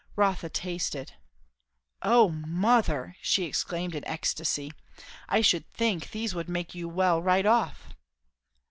Rotha tasted. "O mother!" she exclaimed in ecstasy, "I should think these would make you well right off!"